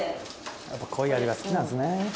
「やっぱ濃い味が好きなんですね」